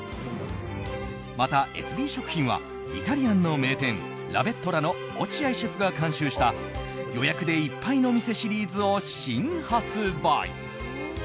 また、エスビー食品はイタリアンの名店ラ・ベットラの落合シェフが監修した予約でいっぱいの店シリーズを新発売。